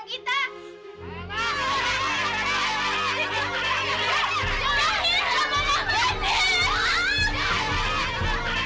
kita naik taksi ikutin mereka bisa nangis jelas